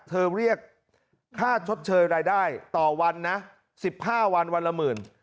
เรียกค่าชดเชยรายได้ต่อวันนะ๑๕วันวันละหมื่น